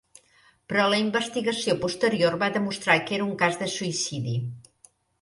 Però la investigació posterior va demostrar que era un cas de suïcidi.